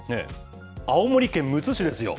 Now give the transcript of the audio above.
青森県むつ市ですよ。